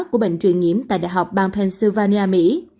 của bệnh truyền nhiễm tại đại học bang pennsylvania mỹ